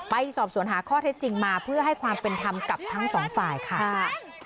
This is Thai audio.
ไปสอบสวนหาข้อเท็จจริงมาเพื่อให้ความเป็นธรรมกับทั้งสองฝ่ายค่ะ